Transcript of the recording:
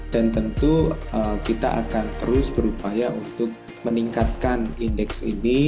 dan tentu kita akan terus berupaya untuk meningkatkan indeks ini